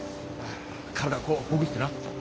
体をこうほぐしてな。